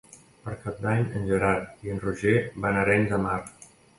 Per Cap d'Any en Gerard i en Roger van a Arenys de Mar.